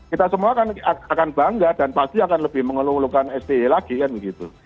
kita semua akan bangga dan pasti akan lebih mengeluh ngelukan sti lagi kan begitu